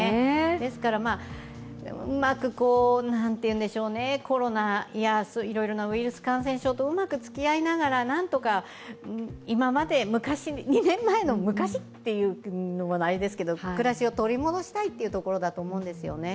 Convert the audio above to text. ですから、コロナやいろいろなウイルス感染症とうまくつきあいながら、なんとか、今まで、２年前を昔というのもなんですけど暮らしを取り戻したいというところだと思うんですよね。